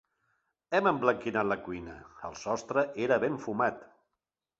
Hem emblanquinat la cuina: el sostre era ben fumat.